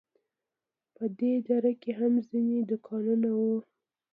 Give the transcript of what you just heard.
په دې دره کې هم ځینې دوکانونه وو.